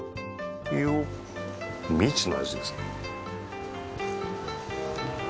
いよっ未知の味ですね。